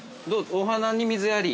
◆お花に水やり。